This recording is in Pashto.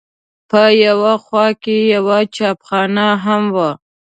په یوه خوا کې یوه چایخانه هم وه.